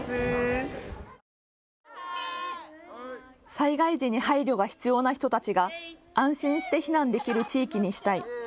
災害時に配慮が必要な人たちが安心して避難できる地域にしたい。